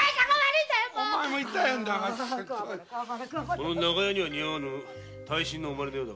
この長屋に似合わぬ生まれのようだな。